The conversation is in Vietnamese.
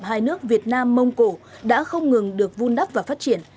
hai nước việt nam mông cổ đã không ngừng được vun đắp và phát triển